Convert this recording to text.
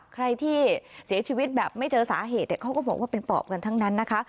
ใครที่เสียชีวิตแบบไม่เจอสาเหตุเขาก็บอกว่าเป็นปอบกันทั้งนั้นนะคะ